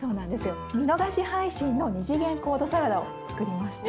見逃し配信の２次元コードサラダを作りました。